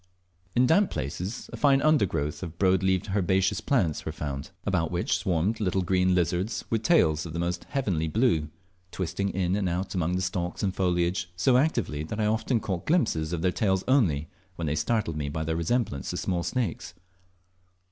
In damp places a fine undergrowth of broadleaved herbaceous plants was found, about which swarmed little green lizards, with tails of the most "heavenly blue," twisting in and out among the stalks and foliage so actively that I often caught glimpses of their tails only, when they startled me by their resemblance to small snakes.